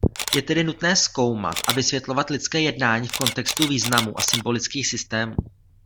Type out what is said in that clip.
Je tedy nutné zkoumat a vysvětlovat lidské jednání v kontextu významů a symbolických systémů.